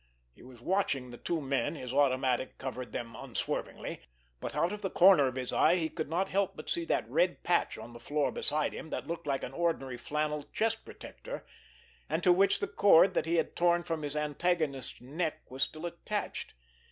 He was watching the two men, his automatic covered them unswervingly; but out of the corner of his eye he could not help but see that red patch on the floor beside him, that looked like an ordinary flannel chest protector, and to which the cord that he had torn from his antagonist's neck was still attached.